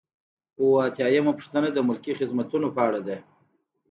اووه اتیا یمه پوښتنه د ملکي خدمتونو په اړه ده.